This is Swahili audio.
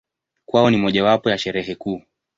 Kwao ni mojawapo ya Sherehe kuu.